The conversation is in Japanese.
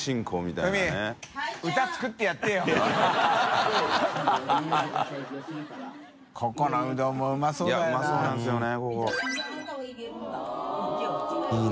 いやうまそうなんですよね